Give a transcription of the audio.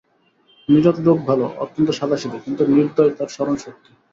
নীরদ লোক ভালো, অত্যন্ত সাদাসিধে, কিন্তু নির্দয় তার স্মরণশক্তি।